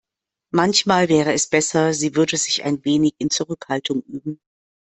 Manchmal wäre es besser, sie würde sich ein wenig in Zurückhaltung üben.